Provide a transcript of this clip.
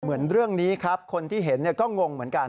เหมือนเรื่องนี้ครับคนที่เห็นก็งงเหมือนกัน